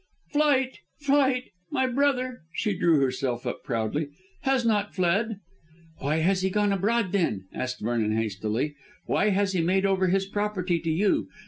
"Flight! flight! My brother," she drew herself up proudly, "has not fled." "Why has he gone abroad, then?" asked Vernon hastily; "Why has he made over his property to you?